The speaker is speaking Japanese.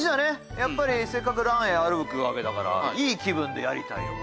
やっぱりせっかくランウェイ歩くわけだからいい気分でやりたいよね。